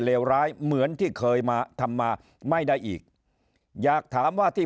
ร้ายเหมือนที่เคยมาทำมาไม่ได้อีกอยากถามว่าที่